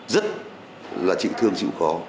rất là chịu thương chịu khó